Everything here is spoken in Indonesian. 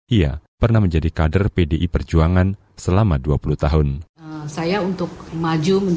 ia pernah menjadi kader pdi perjuangan selama dua puluh tahun